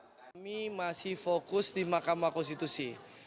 kami masih fokus di makam akustitusi